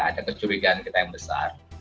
ada kecurigaan kita yang besar